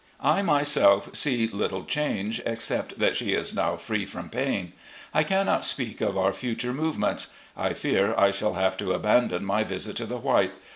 I myself see little change, except that she is now free from pain. I cannot speak of our future movements. I fear I shall have to abandon my visit to the White.